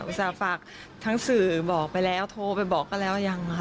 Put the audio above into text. อุตสาธาภาคทางสื่อบอกไปแล้วโทรไปบอกเลยรักยังค่ะ